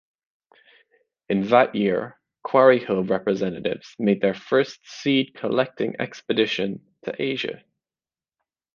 In that year, Quarryhill representatives made their first seed collecting expedition to Asia.